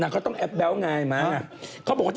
นางก็ต้องแอบแบ๊วไงมา